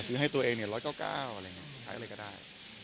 ซื้อให้ตัวเองเนี่ยร้อยเก้าเก้าอะไรแบบนี้